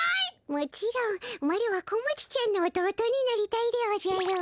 もちろんマロは小町ちゃんの弟になりたいでおじゃる。